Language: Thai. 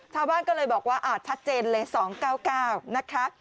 ชาวบ้านก็เลยบอกว่าชัดเจนเลย๒๙๙นะคะ